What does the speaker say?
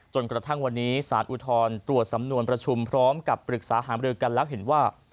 จนกระทั่งวันนี้สารอุทธรณ์ตรวจสำนวนประชุมพร้อมกับปรึกษาหามรือกันแล้วเห็นว่า